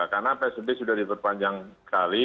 karena psbb sudah diperpanjang sekali